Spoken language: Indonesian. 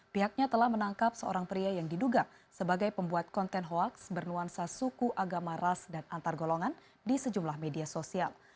pihaknya telah menangkap seorang pria yang diduga sebagai pembuat konten hoax bernuansa suku agama ras dan antar golongan di sejumlah media sosial